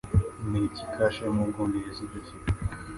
Ni iki kashe yo mu Bwongereza idafite?